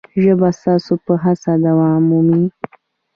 ژبه ستاسو په هڅه دوام مومي.